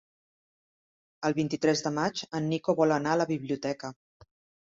El vint-i-tres de maig en Nico vol anar a la biblioteca.